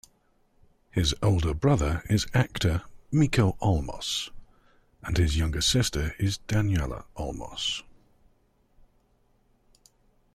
His older brother is actor Mico Olmos, and his younger sister is Daniela Olmos.